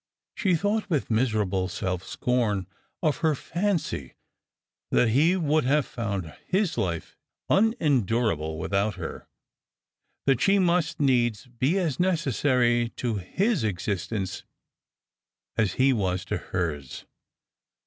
She thought with miserable self scorn of her fancy that he would have lound his life unen durable without her ; that she must needs be as necessary to his existence ar tie was to hers.